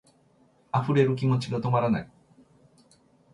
溢れる気持ちが止まらない